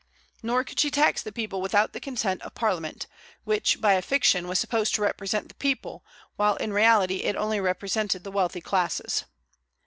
Nor could she tax the people without the consent of Parliament, which by a fiction was supposed to represent the people, while in reality it only represented the wealthy classes.